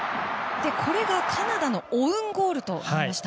これがカナダのオウンゴールとなりました。